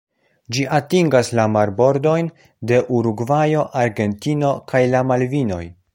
Ĝi atingas la marbordojn de Urugvajo, Argentino kaj la Malvinoj.